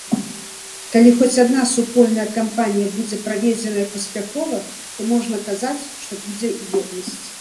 Калі хоць адна супольная кампанія будзе праведзеная паспяхова, то можна казаць, што будзе еднасць.